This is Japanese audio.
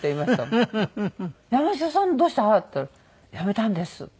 「山城さんどうした？」って言ったら「やめたんです」。